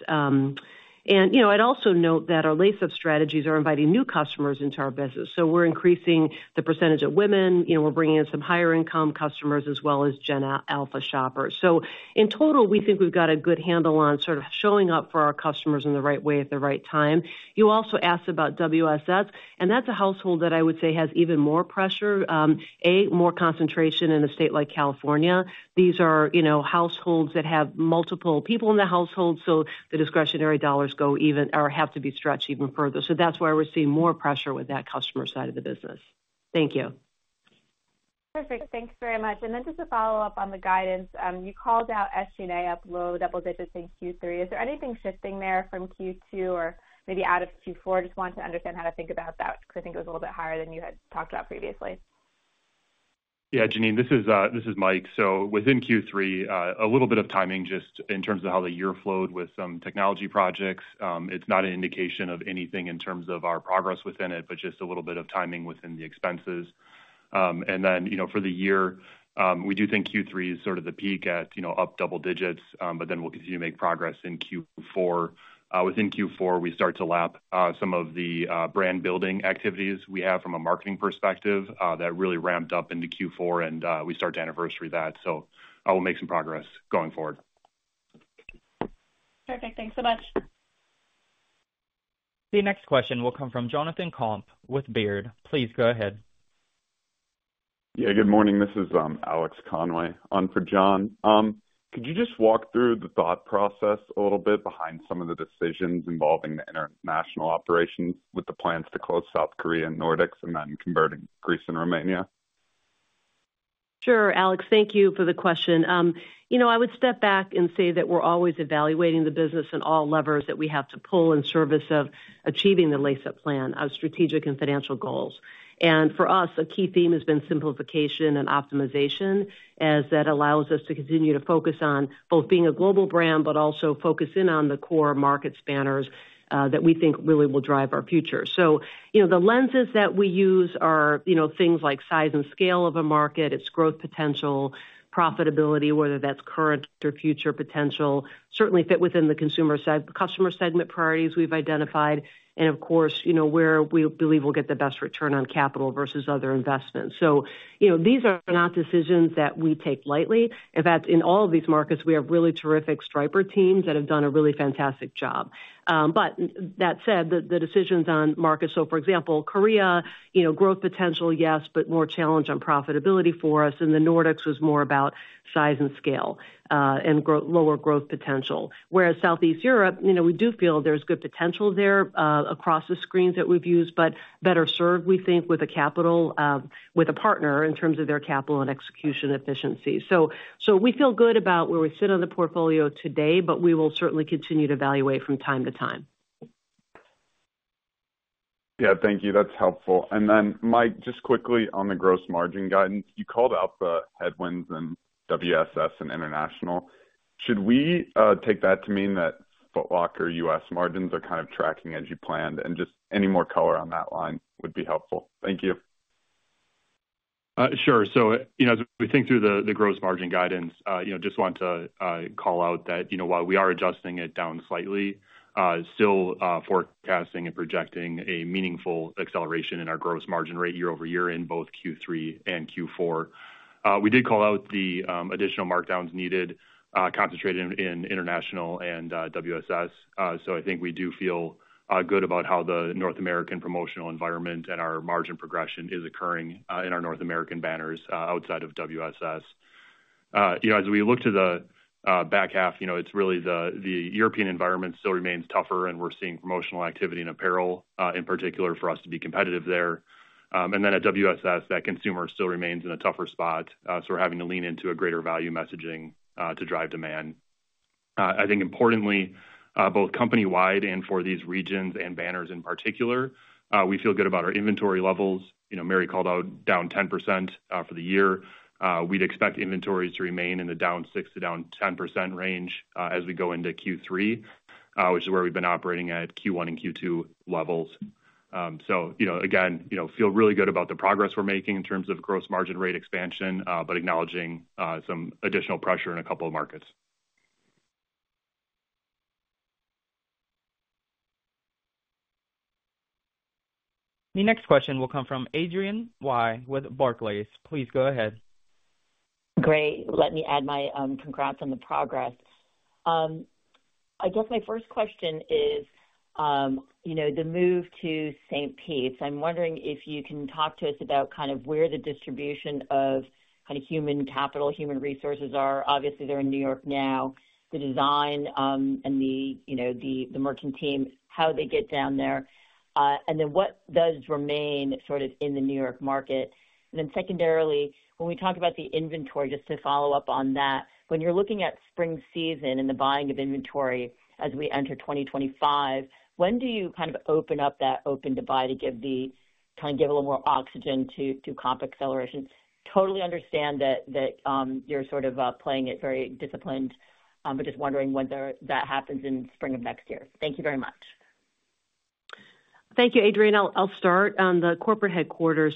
And, you know, I'd also note that our Lace Up strategies are inviting new customers into our business. So we're increasing the percentage of women, you know, we're bringing in some higher income customers as well as Gen Alpha shoppers. So in total, we think we've got a good handle on sort of showing up for our customers in the right way at the right time. You also asked about WSS, and that's a household that I would say has even more pressure, more concentration in a state like California. These are, you know, households that have multiple people in the household, so the discretionary dollars go even... or have to be stretched even further. So that's why we're seeing more pressure with that customer side of the business. Thank you. Perfect. Thanks very much. And then just a follow-up on the guidance. You called out SG&A up low double digits in Q3. Is there anything shifting there from Q2 or maybe out of Q4? Just want to understand how to think about that, because I think it was a little bit higher than you had talked about previously. Yeah, Janine, this is Mike. So within Q3, a little bit of timing, just in terms of how the year flowed with some technology projects. It's not an indication of anything in terms of our progress within it, but just a little bit of timing within the expenses. And then, you know, for the year, we do think Q3 is sort of the peak at, you know, up double digits, but then we'll continue to make progress in Q4. Within Q4, we start to lap some of the brand building activities we have from a marketing perspective, that really ramped up into Q4, and we start to anniversary that, so I will make some progress going forward. Perfect. Thanks so much. The next question will come from Jonathan Komp with Baird. Please go ahead. Yeah, good morning. This is Alex Conway, on for John. Could you just walk through the thought process a little bit behind some of the decisions involving the international operations, with the plans to close South Korea and Nordics and then converting Greece and Romania? Sure, Alex, thank you for the question. You know, I would step back and say that we're always evaluating the business and all levers that we have to pull in service of achieving the Lace Up plan, our strategic and financial goals, and for us, a key theme has been simplification and optimization, as that allows us to continue to focus on both being a global brand, but also focus in on the core market banners that we think really will drive our future, so you know, the lenses that we use are, you know, things like size and scale of a market, its growth potential, profitability, whether that's current or future potential, certainly fit within the consumer seg- customer segment priorities we've identified, and of course, you know, where we believe we'll get the best return on capital versus other investments. So, you know, these are not decisions that we take lightly. In fact, in all of these markets, we have really terrific Striper teams that have done a really fantastic job. But that said, the decisions on markets. For example, Korea, you know, growth potential, yes, but more challenge on profitability for us, and the Nordics was more about size and scale, and lower growth potential. Whereas Southeast Europe, you know, we do feel there's good potential there, across the screens that we've used, but better served, we think, with a capital, with a partner in terms of their capital and execution efficiency. So we feel good about where we sit on the portfolio today, but we will certainly continue to evaluate from time to time. Yeah, thank you. That's helpful. And then, Mike, just quickly on the gross margin guidance, you called out the headwinds and WSS and international. Should we take that to mean that Foot Locker U.S. margins are kind of tracking as you planned? And just any more color on that line would be helpful. Thank you. Sure. So, you know, as we think through the gross margin guidance, you know, just want to call out that, you know, while we are adjusting it down slightly, still forecasting and projecting a meaningful acceleration in our gross margin rate year-over-year in both Q3 and Q4. We did call out the additional markdowns needed, concentrated in international and WSS. So I think we do feel good about how the North American promotional environment and our margin progression is occurring in our North American banners outside of WSS. You know, as we look to the back half, you know, it's really the European environment still remains tougher, and we're seeing promotional activity in apparel in particular for us to be competitive there. Then at WSS, that consumer still remains in a tougher spot, so we're having to lean into a greater value messaging to drive demand. I think importantly, both company-wide and for these regions and banners in particular, we feel good about our inventory levels. You know, Mary called out down 10% for the year. We'd expect inventories to remain in the down 6% to down 10% range as we go into Q3, which is where we've been operating at Q1 and Q2 levels. So, you know, again, you know, feel really good about the progress we're making in terms of gross margin rate expansion, but acknowledging some additional pressure in a couple of markets. The next question will come from Adrienne Yih with Barclays. Please go ahead. Great. Let me add my congrats on the progress. I guess my first question is, you know, the move to St. Petersburg. I'm wondering if you can talk to us about kind of where the distribution of kind of human capital, human resources are. Obviously, they're in New York now, the design and you know the merchant team, how they get down there, and then what does remain sort of in the New York market? And then secondarily, when we talk about the inventory, just to follow up on that, when you're looking at spring season and the buying of inventory as we enter 2025, when do you kind of open up that open-to-buy to give kind of a little more oxygen to comp acceleration? Totally understand that you're sort of playing it very disciplined, but just wondering whether that happens in spring of next year. Thank you very much.... Thank you, Adrienne. I'll start on the corporate headquarters.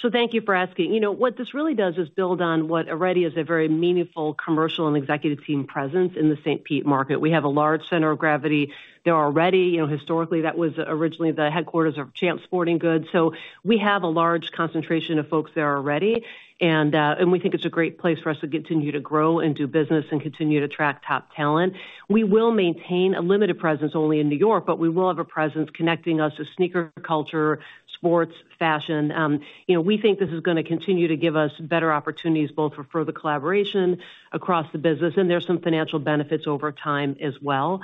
So thank you for asking. You know, what this really does is build on what already is a very meaningful commercial and executive team presence in the St. Pete market. We have a large center of gravity there already. You know, historically, that was originally the headquarters of Champs Sporting Goods. So we have a large concentration of folks there already, and we think it's a great place for us to continue to grow and do business and continue to attract top talent. We will maintain a limited presence only in New York, but we will have a presence connecting us to sneaker culture, sports, fashion. You know, we think this is gonna continue to give us better opportunities, both for further collaboration across the business, and there's some financial benefits over time as well.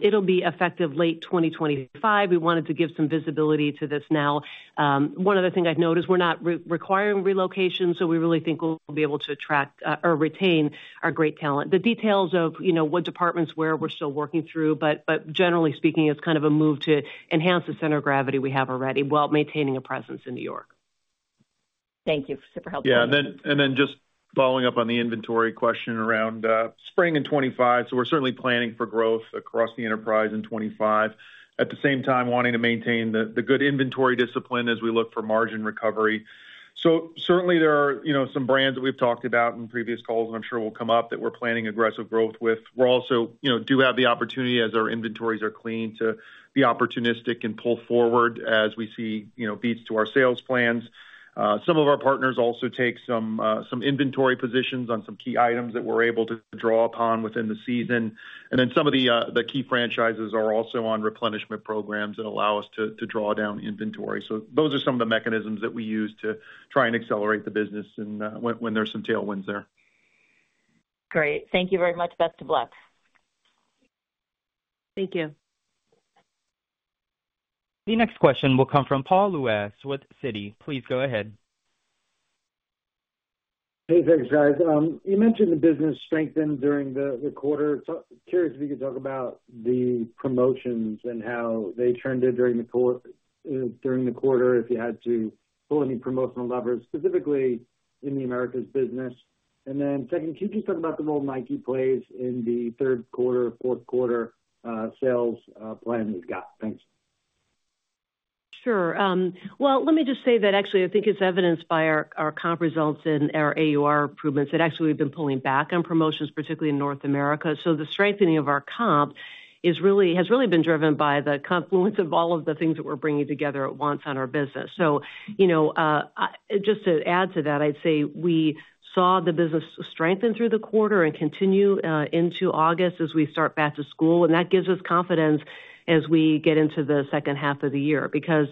It'll be effective late 2025. We wanted to give some visibility to this now. One other thing I'd note is we're not requiring relocation, so we really think we'll be able to attract or retain our great talent. The details of, you know, what departments where we're still working through, but generally speaking, it's kind of a move to enhance the center of gravity we have already, while maintaining a presence in New York. Thank you for super helpful. Yeah, and then just following up on the inventory question around spring in '25. We're certainly planning for growth across the enterprise in '25. At the same time, wanting to maintain the good inventory discipline as we look for margin recovery. Certainly there are, you know, some brands that we've talked about in previous calls, and I'm sure will come up that we're planning aggressive growth with. We're also, you know, do have the opportunity, as our inventories are clean, to be opportunistic and pull forward as we see, you know, beats to our sales plans. Some of our partners also take some inventory positions on some key items that we're able to draw upon within the season. And then some of the key franchises are also on replenishment programs that allow us to draw down inventory. So those are some of the mechanisms that we use to try and accelerate the business and, when there's some tailwinds there. Great. Thank you very much. Best of luck. Thank you. The next question will come from Paul Lejuez with Citi. Please go ahead. Hey, thanks, guys. You mentioned the business strengthened during the quarter. So curious if you could talk about the promotions and how they trended during the quarter, if you had to pull any promotional levers, specifically in the Americas business. And then second, could you just talk about the role Nike plays in the third quarter, fourth quarter sales plan you've got? Thanks. Sure. Well, let me just say that actually, I think it's evidenced by our comp results and our AUR improvements, that actually we've been pulling back on promotions, particularly in North America, so the strengthening of our comp has really been driven by the confluence of all of the things that we're bringing together at once on our business, so you know, just to add to that, I'd say we saw the business strengthen through the quarter and continue into August as we start back-to-school, and that gives us confidence as we get into the second half of the year, because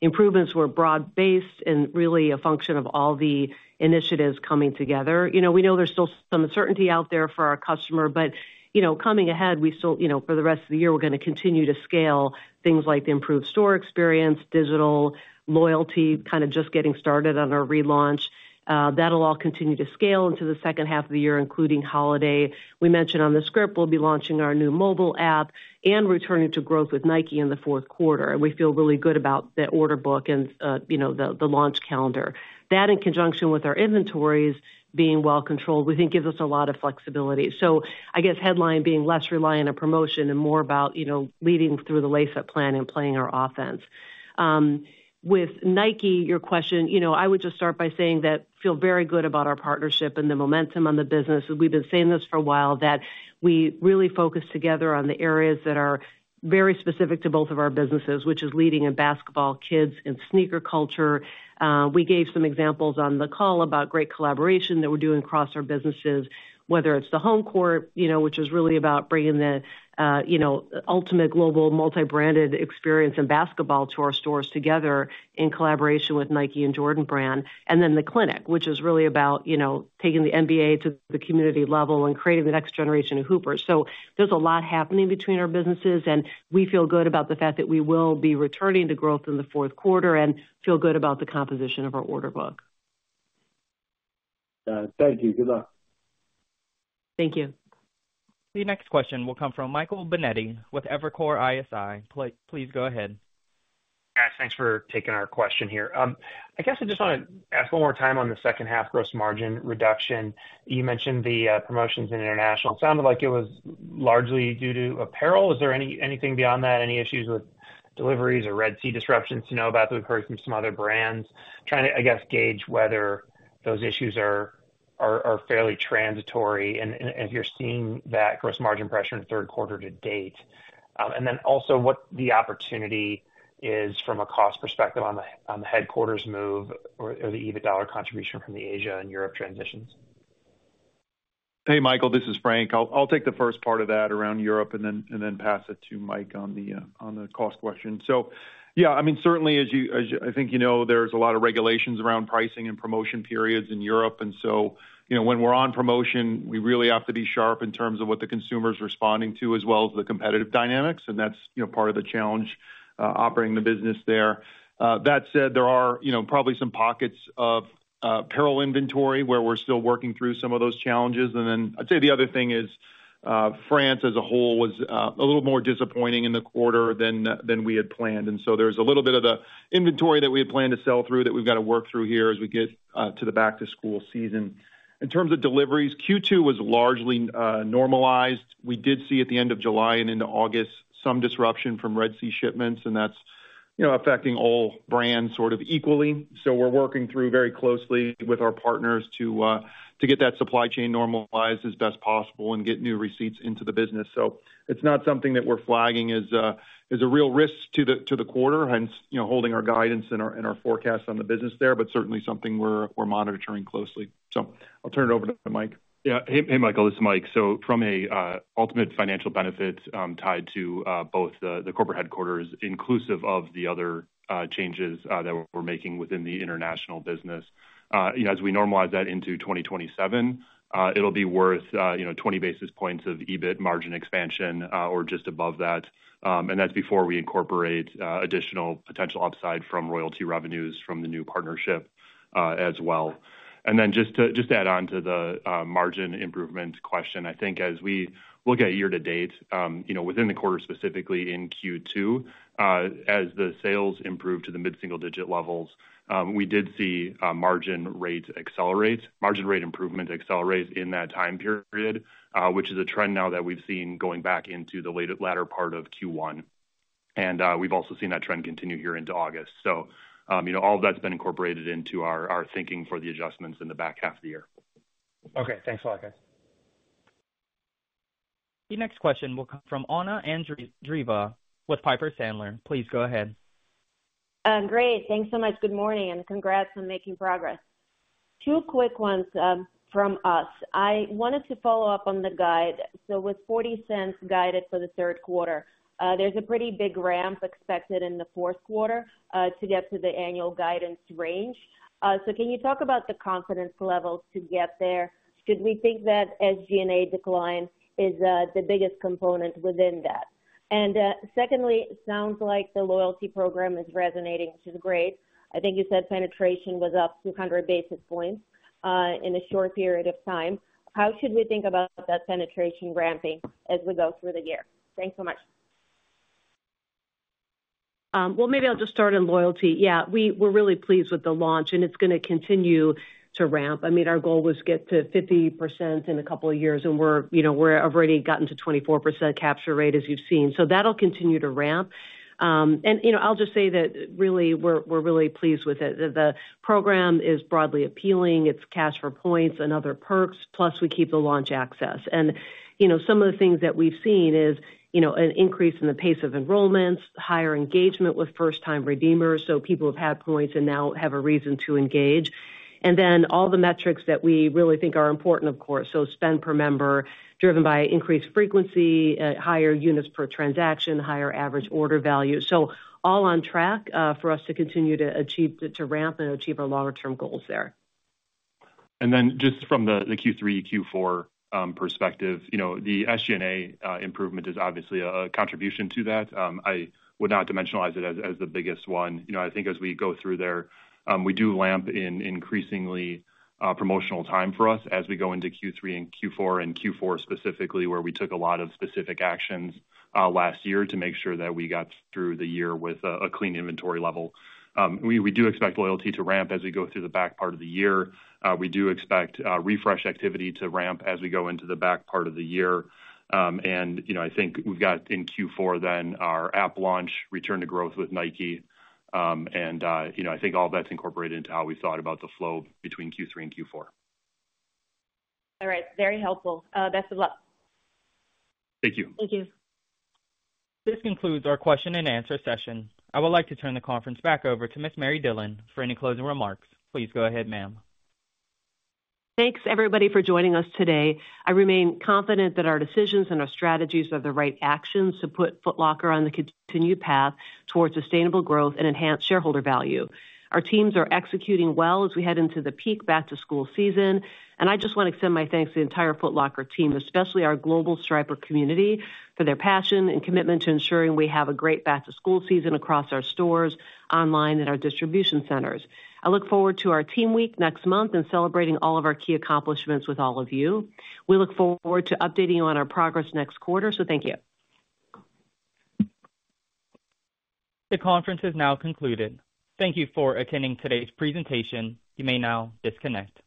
improvements were broad-based and really a function of all the initiatives coming together. You know, we know there's still some uncertainty out there for our customer, but, you know, coming ahead, we still, you know, for the rest of the year, we're gonna continue to scale things like the improved store experience, digital loyalty, kind of just getting started on our relaunch. That'll all continue to scale into the second half of the year, including holiday. We mentioned on the script, we'll be launching our new mobile app and returning to growth with Nike in the fourth quarter, and we feel really good about the order book and, you know, the launch calendar. That, in conjunction with our inventories being well controlled, we think gives us a lot of flexibility. So I guess headline being less reliant on promotion and more about, you know, leading through the Lace Up plan and playing our offense. With Nike, your question, you know, I would just start by saying that feel very good about our partnership and the momentum on the business. We've been saying this for a while, that we really focus together on the areas that are very specific to both of our businesses, which is leading in basketball, kids and sneaker culture. We gave some examples on the call about great collaboration that we're doing across our businesses, whether it's the Home Court, you know, which is really about bringing the, you know, ultimate global multi-branded experience in basketball to our stores together in collaboration with Nike and Jordan Brand, and then The Clinic, which is really about, you know, taking the NBA to the community level and creating the next generation of hoopers. There's a lot happening between our businesses, and we feel good about the fact that we will be returning to growth in the fourth quarter and feel good about the composition of our order book. Thank you. Good luck. Thank you. The next question will come from Michael Binetti with Evercore ISI. Please go ahead. Guys, thanks for taking our question here. I guess I just want to ask one more time on the second half gross margin reduction. You mentioned the promotions in international. It sounded like it was largely due to apparel. Is there anything beyond that, any issues with deliveries or Red Sea disruptions to know about that we've heard from some other brands? Trying to, I guess, gauge whether those issues are fairly transitory and if you're seeing that gross margin pressure in third quarter to-date. And then also what the opportunity is from a cost perspective on the headquarters move or the EBITDA contribution from the Asia and Europe transitions. Hey, Michael, this is Frank. I'll take the first part of that around Europe and then pass it to Mike on the cost question. So yeah, I mean, certainly as you, as you-- I think you know there's a lot of regulations around pricing and promotion periods in Europe, and so, you know, when we're on promotion, we really have to be sharp in terms of what the consumer is responding to, as well as the competitive dynamics, and that's, you know, part of the challenge operating the business there. That said, there are, you know, probably some pockets of apparel inventory where we're still working through some of those challenges. And then I'd say the other thing is, France as a whole was a little more disappointing in the quarter than we had planned. And so there's a little bit of the inventory that we had planned to sell through that we've got to work through here as we get to the back-to-school season. In terms of deliveries, Q2 was largely normalized. We did see at the end of July and into August some disruption from Red Sea shipments, and that's...... you know, affecting all brands sort of equally. So we're working through very closely with our partners to, to get that supply chain normalized as best possible and get new receipts into the business. So it's not something that we're flagging as a real risk to the quarter, hence, you know, holding our guidance and our forecast on the business there, but certainly something we're monitoring closely. So I'll turn it over to Mike. Yeah. Hey, Michael, this is Mike. So from a ultimate financial benefit tied to both the corporate headquarters, inclusive of the other changes that we're making within the international business. As we normalize that into 2027, it'll be worth, you know, 20 basis points of EBIT margin expansion or just above that. And that's before we incorporate additional potential upside from royalty revenues from the new partnership as well. And then just to just add on to the margin improvement question, I think as we look at year-to-date, you know, within the quarter, specifically in Q2, as the sales improve to the mid-single-digit levels, we did see margin rates accelerate. Margin rate improvement accelerate in that time period, which is a trend now that we've seen going back into the latter part of Q1. And, we've also seen that trend continue here into August. So, you know, all of that's been incorporated into our thinking for the adjustments in the back half of the year. Okay, thanks a lot, guys. The next question will come from Anna Andreeva with Piper Sandler. Please go ahead. Great. Thanks so much. Good morning, and congrats on making progress. Two quick ones from us. I wanted to follow up on the guide. So with $0.40 guided for the third quarter, there's a pretty big ramp expected in the fourth quarter to get to the annual guidance range. So can you talk about the confidence levels to get there? Should we think that SG&A decline is the biggest component within that? And secondly, it sounds like the loyalty program is resonating too great. I think you said penetration was up 200 basis points in a short period of time. How should we think about that penetration ramping as we go through the year? Thanks so much. Well, maybe I'll just start on loyalty. Yeah, we're really pleased with the launch, and it's gonna continue to ramp. I mean, our goal was get to 50% in a couple of years, and you know, we're already gotten to 24% capture rate, as you've seen. So that'll continue to ramp. And, you know, I'll just say that really, we're really pleased with it. The program is broadly appealing. It's cash for points and other perks, plus we keep the launch access. And, you know, some of the things that we've seen is, you know, an increase in the pace of enrollments, higher engagement with first-time redeemers, so people have had points and now have a reason to engage. And then all the metrics that we really think are important, of course, so spend per member, driven by increased frequency, higher units per transaction, higher average order value. So all on track, for us to continue to achieve, to ramp and achieve our longer-term goals there. And then just from the Q3, Q4 perspective, you know, the SG&A improvement is obviously a contribution to that. I would not dimensionalize it as the biggest one. You know, I think as we go through there, we do land in increasingly promotional time for us as we go into Q3 and Q4, and Q4 specifically, where we took a lot of specific actions last year, to make sure that we got through the year with a clean inventory level. We do expect loyalty to ramp as we go through the back part of the year. We do expect refresh activity to ramp as we go into the back part of the year. And, you know, I think we've got in Q4 then our app launch, return to growth with Nike. You know, I think all that's incorporated into how we thought about the flow between Q3 and Q4. All right. Very helpful. Best of luck. Thank you. Thank you. This concludes our question and answer session. I would like to turn the conference back over to Ms. Mary Dillon for any closing remarks. Please go ahead, ma'am. Thanks, everybody, for joining us today. I remain confident that our decisions and our strategies are the right actions to put Foot Locker on the continued path towards sustainable growth and enhanced shareholder value. Our teams are executing well as we head into the peak back-to-school season, and I just want to extend my thanks to the entire Foot Locker team, especially our global Striper community, for their passion and commitment to ensuring we have a great back-to-school season across our stores, online, and our distribution centers. I look forward to our Team Week next month and celebrating all of our key accomplishments with all of you. We look forward to updating you on our progress next quarter, so thank you. The conference is now concluded. Thank you for attending today's presentation. You may now disconnect.